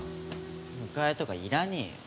迎えとかいらねえよ